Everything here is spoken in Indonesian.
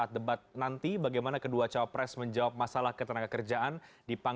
terima kasih sudah diundang